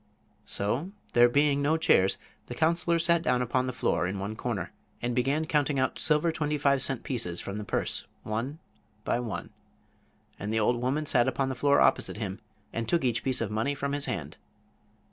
So, there being no chairs, the counselor sat down upon the floor in one corner and began counting out silver twenty five cent pieces from the purse, one by one. And the old woman sat upon the floor opposite him and took each piece of money from his hand.